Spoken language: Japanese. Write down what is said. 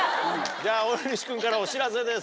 じゃ大西君からお知らせです。